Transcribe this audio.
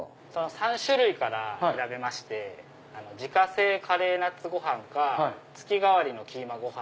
３種類から選べまして自家製カレーナッツご飯か月替わりのキーマご飯